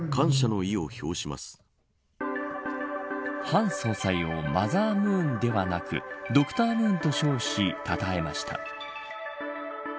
韓総裁をマザームーンではなくドクタームーンと称し讃えました。